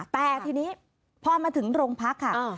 แต่ทีนี้พอมาถึงโรงพักค่ะ